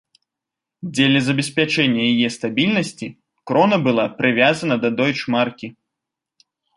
Дзеля забеспячэння яе стабільнасці крона была прывязана да дойчмаркі.